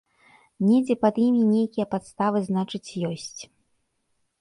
Недзе пад імі нейкія падставы, значыць, ёсць.